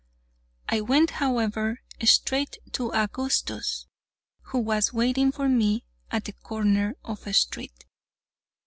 I went, however, straight to Augustus, who was waiting for me at the corner of a street.